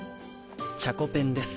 チャコペンです。